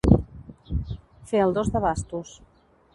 Fer el dos de bastos.